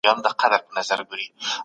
لازم بدلونونه باید په تدریجي ډول راسي.